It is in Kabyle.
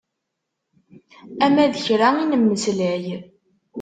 Ama d kra i nemmeslay.